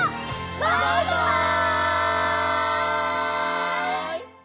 バイバイ！